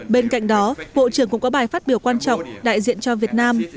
bên cạnh đó bộ trưởng cũng có bài phát biểu quan trọng đại diện cho việt nam